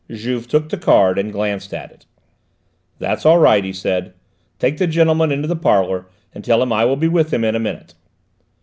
Juve took the card and glanced at it. "That's all right," he said. "Take the gentleman into the parlour and tell him I will be with him in a minute."